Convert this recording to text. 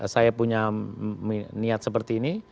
saya punya niat seperti ini